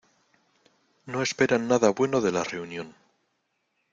No esperan nada bueno de la reunión.